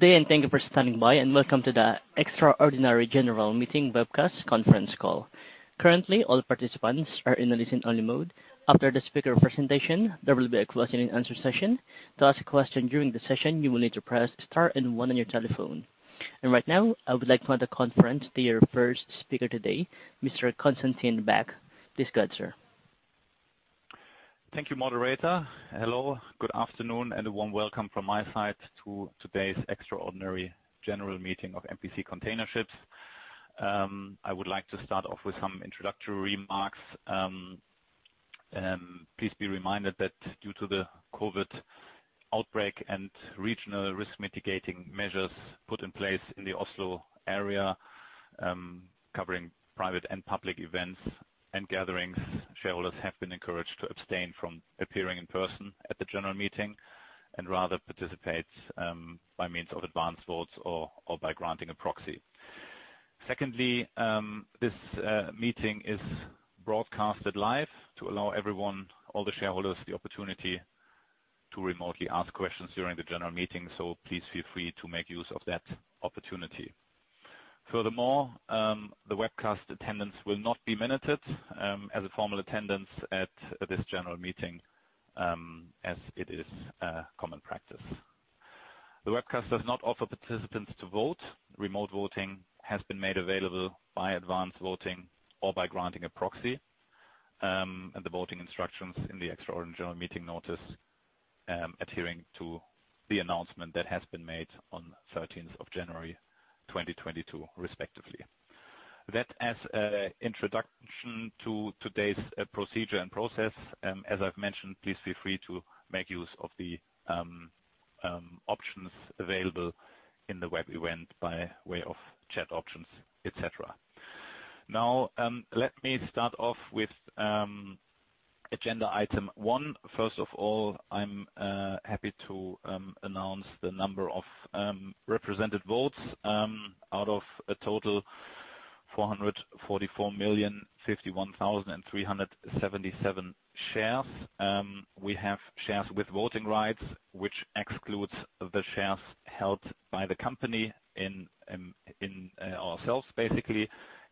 Good day, and thank you for standing by, and welcome to the Extraordinary General Meeting webcast conference call. Currently, all participants are in a listen-only mode. After the speaker presentation, there will be a question and answer session. To ask a question during the session, you will need to press star and one on your telephone. Right now, I would like to turn the conference over to our first speaker today, Mr. Constantin Baack. Over to you, sir. Thank you, moderator. Hello, good afternoon and a warm welcome from my side to today's extraordinary general meeting of MPC Container Ships. I would like to start off with some introductory remarks. Please be reminded that due to the COVID outbreak and regional risk mitigating measures put in place in the Oslo area, covering private and public events and gatherings, shareholders have been encouraged to abstain from appearing in person at the general meeting and rather participate by means of advanced votes or by granting a proxy. Secondly, this meeting is broadcasted live to allow everyone, all the shareholders, the opportunity to remotely ask questions during the general meeting. Please feel free to make use of that opportunity. Furthermore, the webcast attendance will not be minuted as a formal attendance at this general meeting, as it is common practice. The webcast does not offer participants to vote. Remote voting has been made available by advance voting or by granting a proxy, and the voting instructions in the extraordinary general meeting notice, adhering to the announcement that has been made on thirteenth of January 2022, respectively. That as an introduction to today's procedure and process, as I've mentioned, please feel free to make use of the options available in the web event by way of chat options, et cetera. Now, let me start off with agenda item one. First of all, I'm happy to announce the number of represented votes out of a total 444,051,377 shares. We have shares with voting rights, which excludes the shares held by the company in ourselves basically,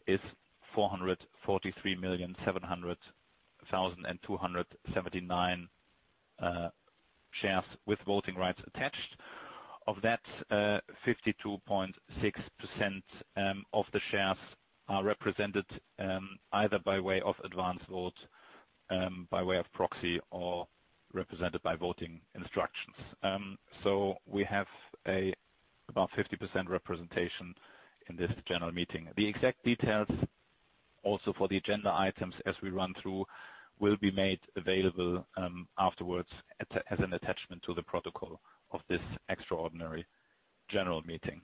is 443,700,279 shares with voting rights attached. Of that, 52.6% of the shares are represented either by way of advance vote, by way of proxy or represented by voting instructions. We have about 50% representation in this general meeting. The exact details also for the agenda items as we run through, will be made available afterwards as an attachment to the protocol of this extraordinary general meeting.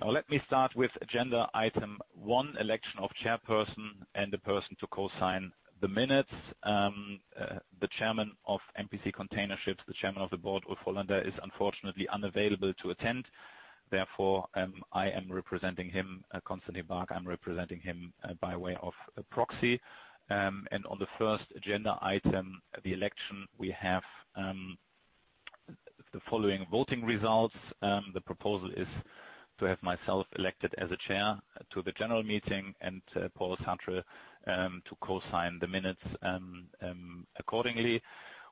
Now, let me start with agenda item one, election of chairperson and the person to co-sign the minutes. The Chairman of MPC Container Ships, the Chairman of the Board, Ulf Holländer, is unfortunately unavailable to attend. Therefore, I am representing him. Constantin Baack, I'm representing him by way of a proxy. On the first agenda item, the election, we have the following voting results. The proposal is to have myself elected as a Chair to the general meeting and Pål Sætre to co-sign the minutes. Accordingly,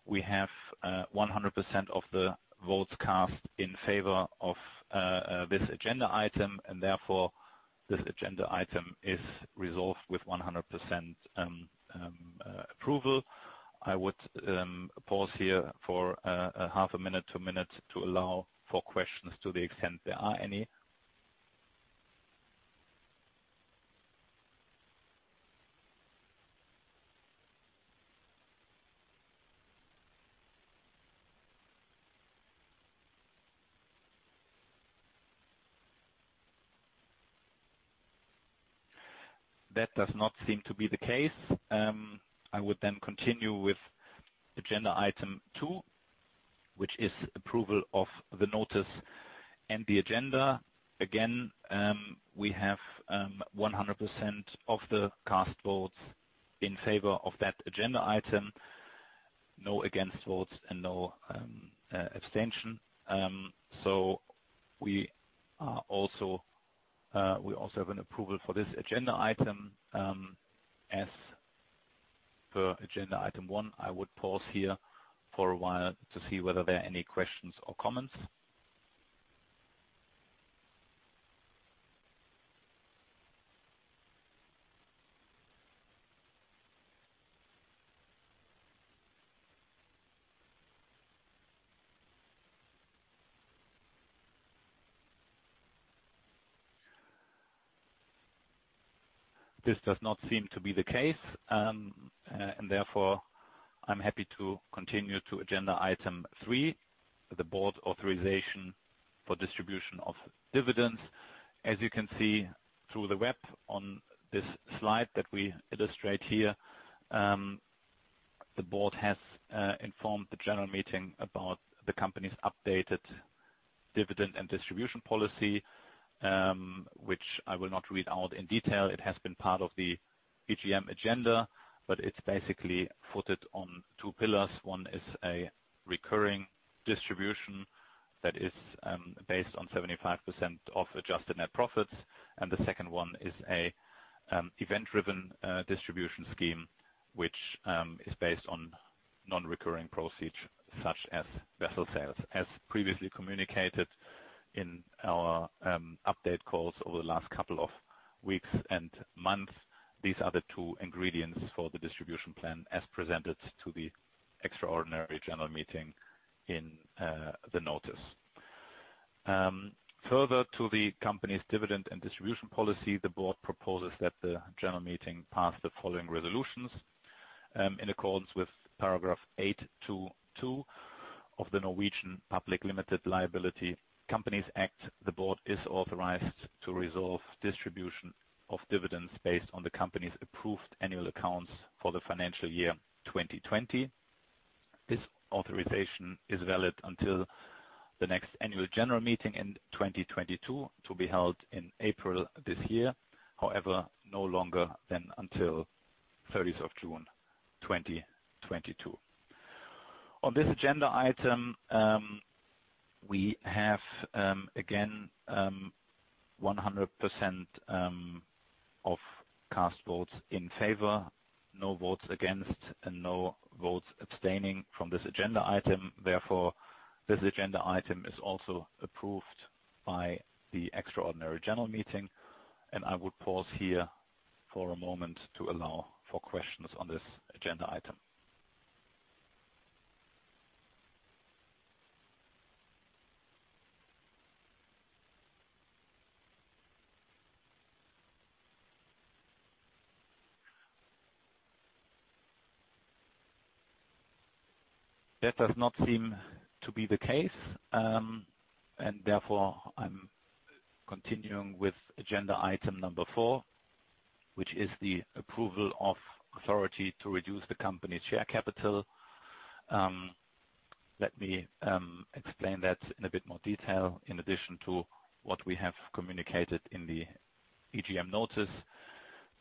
we have 100% of the votes cast in favor of this agenda item, and therefore this agenda item is resolved with 100% approval. I would pause here for a half a minute to a minute to allow for questions to the extent there are any. That does not seem to be the case. I would then continue with agenda item two, which is approval of the notice and the agenda. Again, we have 100% of the cast votes in favor of that agenda item, no against votes and no extension. We also have an approval for this agenda item, as per agenda item one. I would pause here for a while to see whether there are any questions or comments. This does not seem to be the case, and therefore I'm happy to continue to agenda item three, the board authorization for distribution of dividends. As you can see through the web on this slide that we illustrate here, the board has informed the general meeting about the company's updated dividend and distribution policy, which I will not read out in detail. It has been part of the EGM agenda, but it's basically footed on two pillars. One is a recurring distribution that is based on 75% of adjusted net profits. The second one is a event-driven distribution scheme, which is based on non-recurring proceeds such as vessel sales. As previously communicated in our update calls over the last couple of weeks and months, these are the two ingredients for the distribution plan as presented to the extraordinary general meeting in the notice. Further to the company's dividend and distribution policy, the board proposes that the general meeting pass the following resolutions in accordance with paragraph 822 of the Norwegian Public Limited Liability Companies Act. The board is authorized to resolve distribution of dividends based on the company's approved annual accounts for the financial year 2020. This authorization is valid until the next annual general meeting in 2022, to be held in April this year, however, no longer than until the 30th of June 2022. On this agenda item, we have, again, 100% of cast votes in favor, no votes against, and no votes abstaining from this agenda item. Therefore, this agenda item is also approved by the extraordinary general meeting. I would pause here for a moment to allow for questions on this agenda item. That does not seem to be the case, and therefore I'm continuing with agenda item number four, which is the approval of authority to reduce the company's share capital. Let me explain that in a bit more detail in addition to what we have communicated in the EGM notice.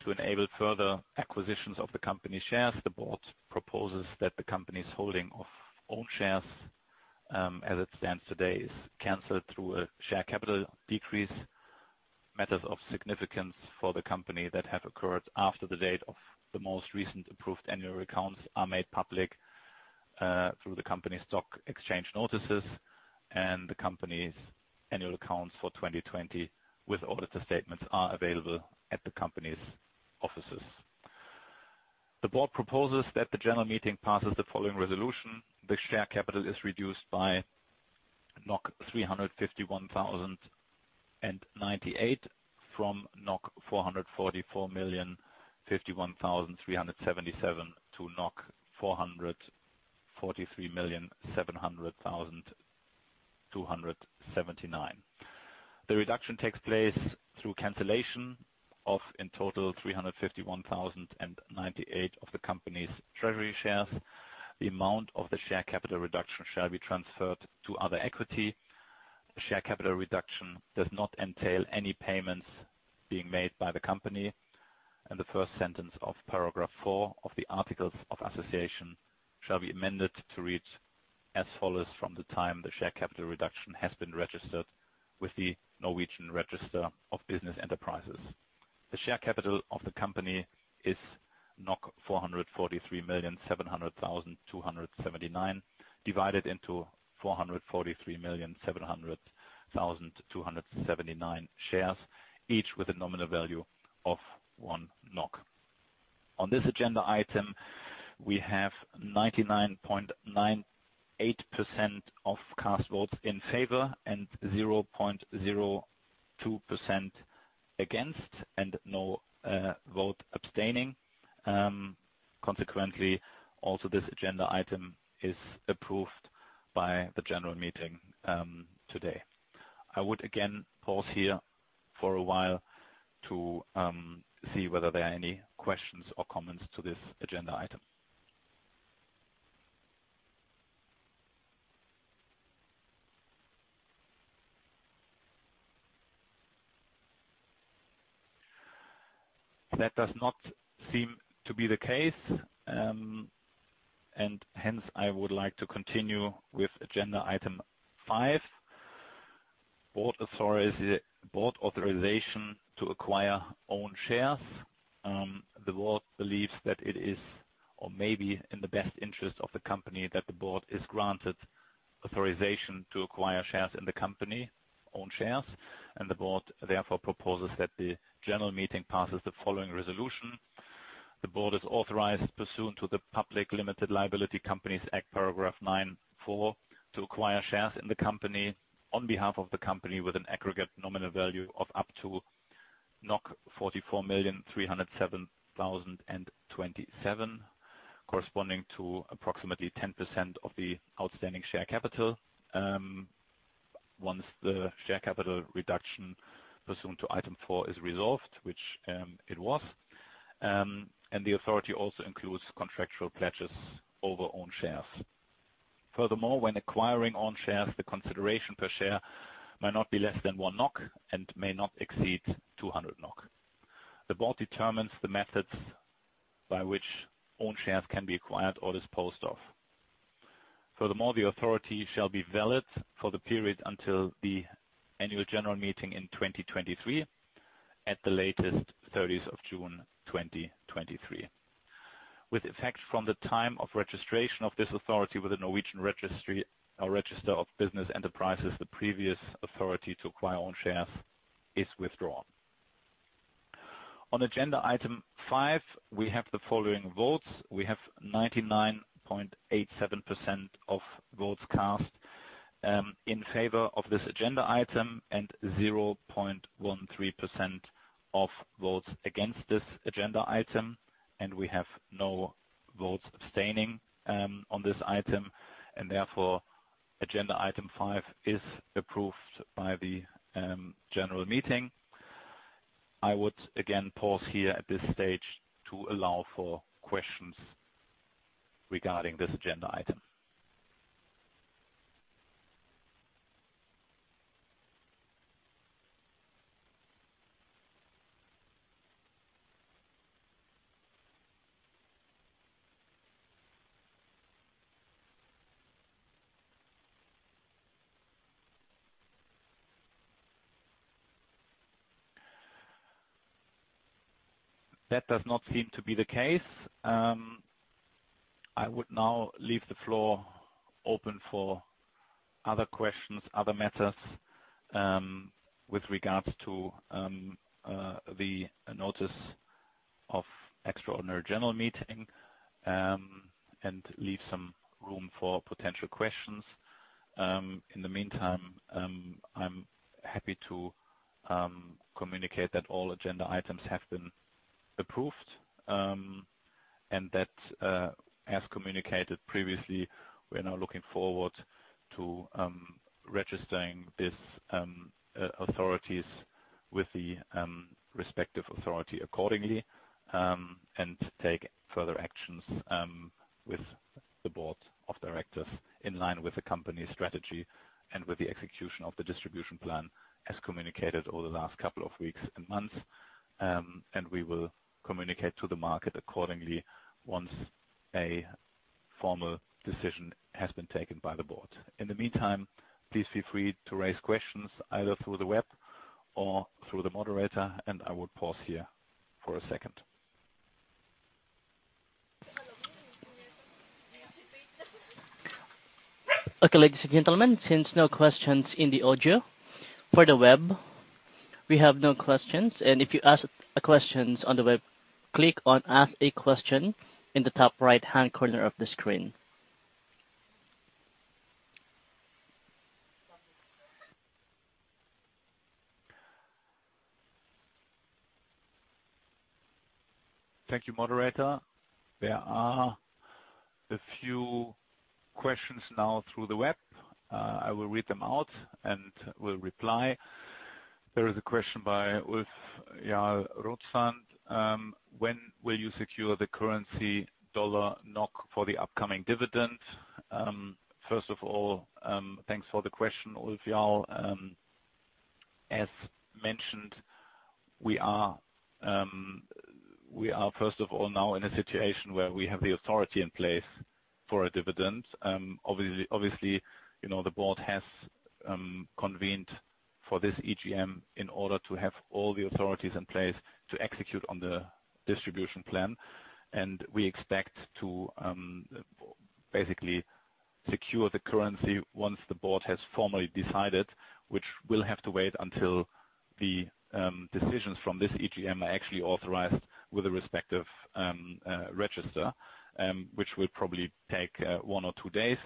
To enable further acquisitions of the company shares, the Board proposes that the company's holding of own shares, as it stands today is canceled through a share capital decrease. Matters of significance for the company that have occurred after the date of the most recent approved annual accounts are made public, through the company stock exchange notices and the company's annual accounts for 2020 with auditor statements are available at the company's offices. The Board proposes that the general meeting passes the following resolution. The share capital is reduced by 351,098 from 444,051,377-443,700,279 NOK. The reduction takes place through cancellation of in total 351,098 of the company's treasury shares. The amount of the share capital reduction shall be transferred to other equity. Share capital reduction does not entail any payments being made by the company, and the first sentence of paragraph four of the articles of association shall be amended to read as follows from the time the share capital reduction has been registered with the Norwegian Register of Business Enterprises. The share capital of the company is 443,700,279, divided into 443,700,279 shares, each with a nominal value of 1 NOK. On this agenda item, we have 99.98% of cast votes in favor and 0.02% against and no vote abstaining. Consequently, also this agenda item is approved by the general meeting today. I would again pause here for a while to see whether there are any questions or comments to this agenda item. That does not seem to be the case. Hence, I would like to continue with agenda item five. Board authorization to acquire own shares. The board believes that it is, or may be, in the best interest of the company that the board is granted authorization to acquire shares in the company own shares, and the board therefore proposes that the general meeting passes the following resolution. The board is authorized pursuant to the Public Limited Liability Companies Act paragraph nine-four to acquire shares in the company on behalf of the company with an aggregate nominal value of up to 44,307,027, corresponding to approximately 10% of the outstanding share capital. Once the share capital reduction pursuant to item four is resolved, which it was. The authority also includes contractual pledges over own shares. Furthermore, when acquiring own shares, the consideration per share might not be less than 1 NOK and may not exceed 200 NOK. The board determines the methods by which own shares can be acquired or disposed of. Furthermore, the authority shall be valid for the period until the annual general meeting in 2023, at the latest 30th of June 2023. With effect from the time of registration of this authority with the Norwegian Register of Business Enterprises, the previous authority to acquire own shares is withdrawn. On agenda item five, we have the following votes. We have 99.87% of votes cast in favor of this agenda item and 0.13% of votes against this agenda item, and we have no votes abstaining on this item. Therefore, agenda item five is approved by the general meeting. I would again pause here at this stage to allow for questions regarding this agenda item. That does not seem to be the case. I would now leave the floor open for other questions, other matters with regards to the notice of extraordinary general meeting and leave some room for potential questions. In the meantime, I'm happy to communicate that all agenda items have been approved. As communicated previously, we are now looking forward to registering this with the respective authorities accordingly and take further actions with the board of directors in line with the company's strategy and with the execution of the distribution plan as communicated over the last couple of weeks and months. We will communicate to the market accordingly once a formal decision has been taken by the board. In the meantime, please feel free to raise questions either through the web or through the moderator, and I would pause here for a second. Okay, ladies and gentlemen, since no questions in the audio for the web, we have no questions. If you ask questions on the web, click on ask a question in the top right-hand corner of the screen. Thank you, moderator. There are a few questions now through the web. I will read them out and will reply. There is a question by Ulf Jarl Røtsand. When will you secure the currency dollar NOK for the upcoming dividend? First of all, thanks for the question, Ulf Jarl. As mentioned, we are first of all now in a situation where we have the authority in place for a dividend. Obviously, you know, the board has convened for this EGM in order to have all the authorities in place to execute on the distribution plan. We expect to basically secure the currency once the board has formally decided, which will have to wait until the decisions from this EGM are actually authorized with the respective register, which will probably take one or two days.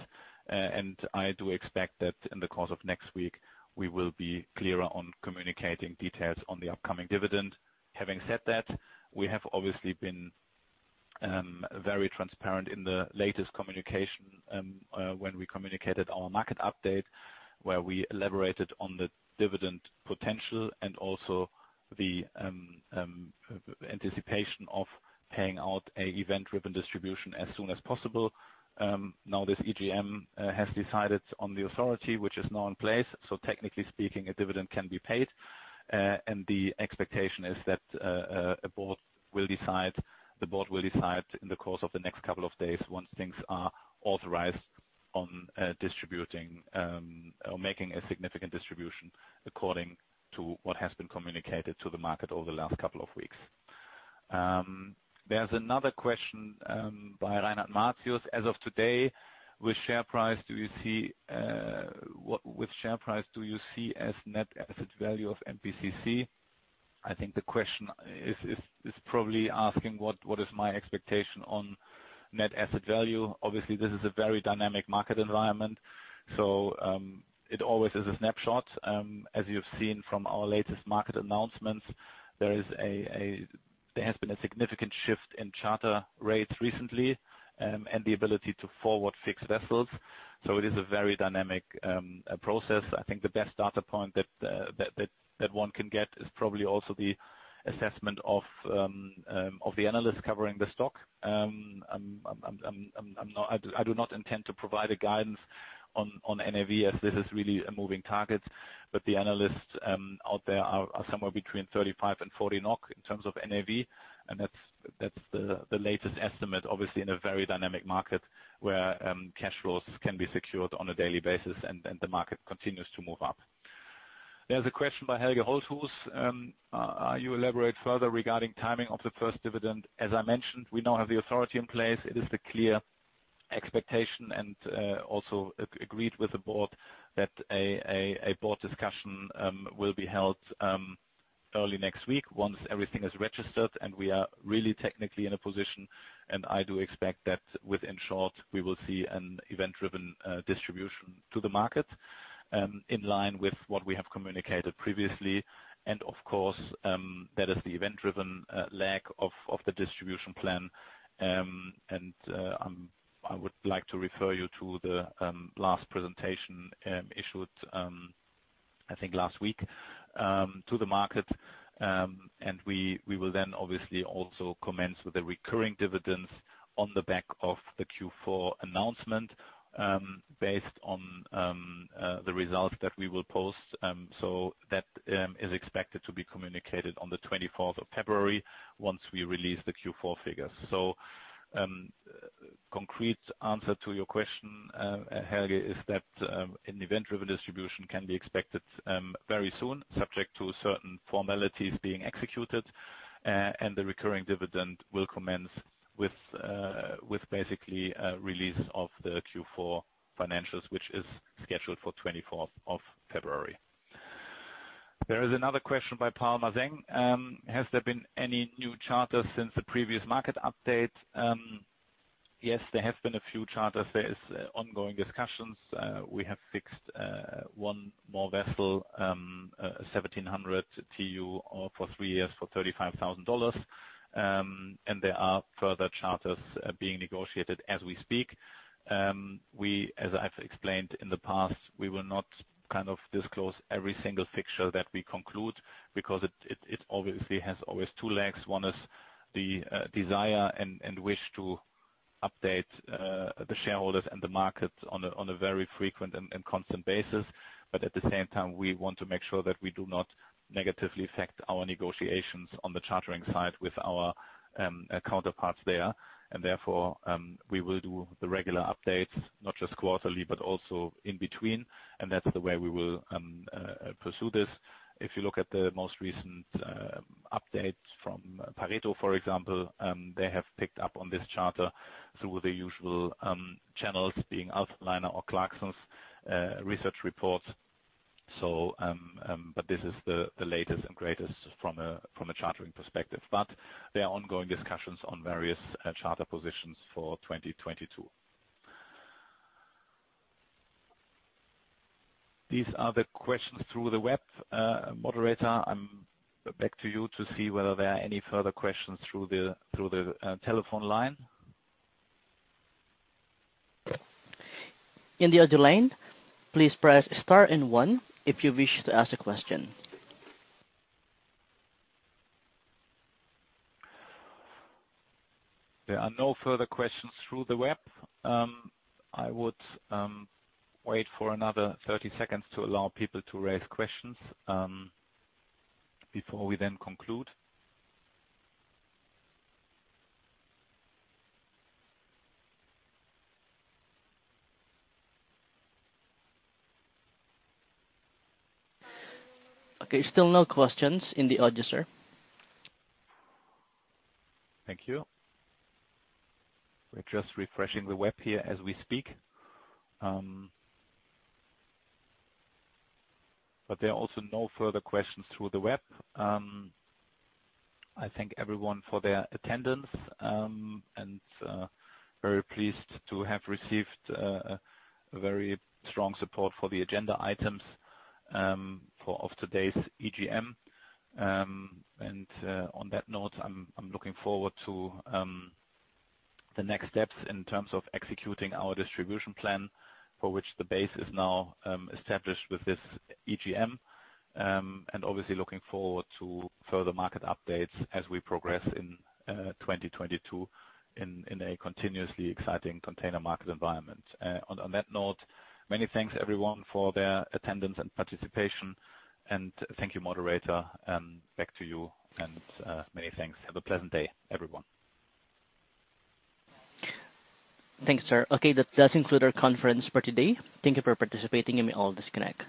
I do expect that in the course of next week, we will be clearer on communicating details on the upcoming dividend. Having said that, we have obviously been very transparent in the latest communication when we communicated our market update, where we elaborated on the dividend potential and also the anticipation of paying out an event-driven distribution as soon as possible. Now this EGM has decided on the authority, which is now in place. Technically speaking, a dividend can be paid. The expectation is that the board will decide in the course of the next couple of days once things are authorized on distributing or making a significant distribution according to what has been communicated to the market over the last couple of weeks. There's another question by Reinhardt Matthews. As of today, which share price do you see as net asset value of MPCC? I think the question is probably asking what is my expectation on net asset value. Obviously, this is a very dynamic market environment, so it always is a snapshot. As you've seen from our latest market announcements, there has been a significant shift in charter rates recently and the ability to forward-fix vessels. It is a very dynamic process. I think the best data point that one can get is probably also the assessment of the analysts covering the stock. I'm not, I do not intend to provide a guidance on NAV as this is really a moving target, but the analysts out there are somewhere between 35-40 NOK in terms of NAV, and that's the latest estimate, obviously in a very dynamic market where cash flows can be secured on a daily basis and the market continues to move up. There's a question by Helge Holthuis, Can you elaborate further regarding timing of the first dividend? As I mentioned, we now have the authority in place. It is the clear expectation and also agreed with the board that a board discussion will be held early next week once everything is registered and we are really technically in a position. I do expect that within short we will see an event-driven distribution to the market in line with what we have communicated previously. Of course that is the event-driven leg of the distribution plan. I would like to refer you to the last presentation issued I think last week to the market. We will then obviously also commence with the recurring dividends on the back of the Q4 announcement based on the results that we will post. That is expected to be communicated on the 24th of February once we release the Q4 figures. Concrete answer to your question, Helge, is that an event-driven distribution can be expected very soon, subject to certain formalities being executed, and the recurring dividend will commence with basically a release of the Q4 financials, which is scheduled for the 24th of February. There is another question by Paul Mazeng. Has there been any new charters since the previous market update? Yes, there have been a few charters. There is ongoing discussions. We have fixed one more vessel, 1,700 TEU for three years for $35,000. There are further charters being negotiated as we speak. We, as I've explained in the past, we will not kind of disclose every single fixture that we conclude because it obviously has always two legs. One is the desire and wish to update the shareholders and the market on a very frequent and constant basis. But at the same time, we want to make sure that we do not negatively affect our negotiations on the chartering side with our counterparts there. Therefore, we will do the regular updates, not just quarterly, but also in between. That's the way we will pursue this. If you look at the most recent updates from Pareto, for example, they have picked up on this charter through the usual channels being Alphaliner or Clarksons research reports. This is the latest and greatest from a chartering perspective. There are ongoing discussions on various charter positions for 2022. These are the questions through the web. Moderator, I'm back to you to see whether there are any further questions through the telephone line. In the other line, please press star and one if you wish to ask a question. There are no further questions through the web. I would wait for another 30 seconds to allow people to raise questions before we then conclude. Okay. Still no questions in the audience. Thank you. We're just refreshing the web here as we speak. But there are also no further questions through the web. I thank everyone for their attendance, and very pleased to have received a very strong support for the agenda items of today's EGM. On that note, I'm looking forward to the next steps in terms of executing our distribution plan for which the base is now established with this EGM. Obviously looking forward to further market updates as we progress in 2022 in a continuously exciting container market environment. On that note, many thanks everyone for their attendance and participation. Thank you, moderator, back to you and many thanks. Have a pleasant day, everyone. Thanks, sir. Okay. That does conclude our conference for today. Thank you for participating and you all disconnect.